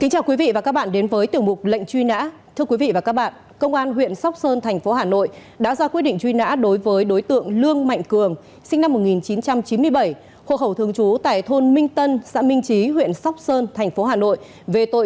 hãy đăng ký kênh để ủng hộ kênh của chúng mình nhé